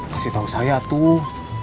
kasih tau saya tuh